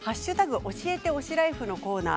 教えて推しライフ」のコーナー